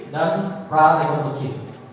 dan pralara rekonstruksi